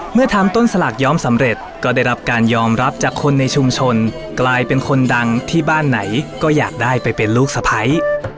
เมื่อทำต้นสลากย้อมสำเร็จก็ได้รับการยอมรับจากคนในชุมชนกลายเป็นคนดังที่บ้านไหนก็อยากได้ไปเป็นลูกสะพ้าย